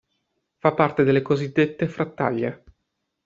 Fa parte delle cosiddette frattaglie.